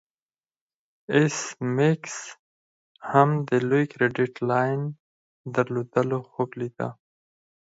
ایس میکس هم د لوی کریډیټ لاین درلودلو خوب لیده